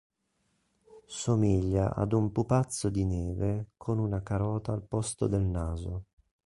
Somiglia ad un pupazzo di neve con una carota al posto del naso.